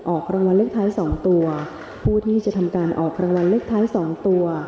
ออกรางวัลเลขท้าย๒ตัวผู้ที่จะทำการออกรางวัลเลขท้าย๒ตัว